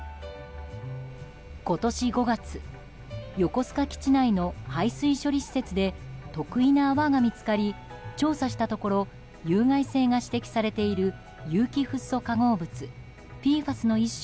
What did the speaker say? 今年５月横須賀基地内の排水処理施設で特異な泡が見つかり調査したところ有害性が指摘されている有機フッ素化合物・ＰＦＡＳの一種